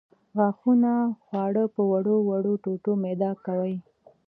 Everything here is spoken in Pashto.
غاښونه خواړه په وړو وړو ټوټو میده کوي.